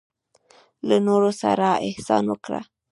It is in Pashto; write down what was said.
له نورو سره احسان وکړه.